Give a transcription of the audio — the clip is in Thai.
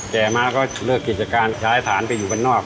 แต่มาก็เลิกกิจการใช้ฐานไปอยู่บ้านนอก